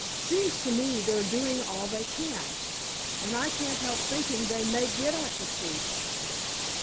Seems to me they're doing all they can, and I can't help thinking they may get at the truth."